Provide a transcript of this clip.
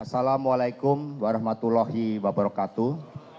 assalamu'alaikum warahmatullahi wabarakatuh